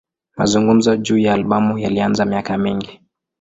Mazungumzo juu ya albamu yalianza miaka mingi.